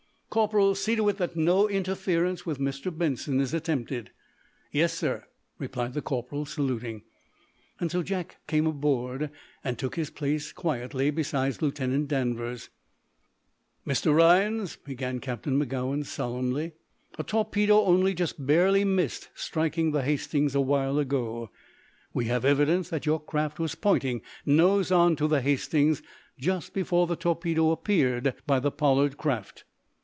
"Corporal, see to it that no interference with Mr. Benson is attempted." "Yes, sir," replied the corporal, saluting. So Jack came aboard, and took his place quietly beside Lieutenant Danvers. "Mr. Rhinds," began Captain Magowan, solemnly, "a torpedo only just barely missed striking the 'Hastings' a while ago. We have evidence that your craft was pointing nose on to the 'Hastings,' just before the torpedo appeared by the Pollard craft."